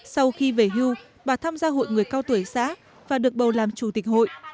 sau khi về hưu bà tham gia hội người cao tuổi xã và được bầu làm chủ tịch hội